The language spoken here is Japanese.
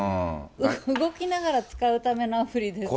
動きながら使うためのアプリですもんね。